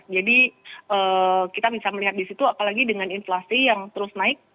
kita bisa melihat di situ apalagi dengan inflasi yang terus naik